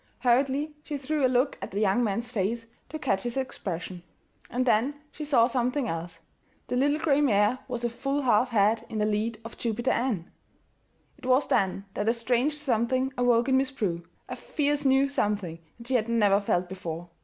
Hurriedly she threw a look at the young man's face to catch its expression; and then she saw something else: the little gray mare was a full half head in the lead of Jupiter Ann! It was then that a strange something awoke in Miss Prue a fierce new something that she had never felt before.